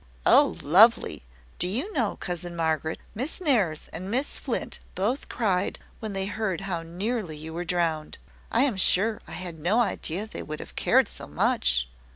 "Oh, lovely! Do you know, cousin Margaret, Miss Nares and Miss Flint both cried when they heard how nearly you were drowned! I am sure, I had no idea they would have cared so much."